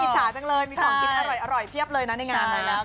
แม้อิจฉาจังเลยมีของกินอร่อยเพียบเลยในงานนี้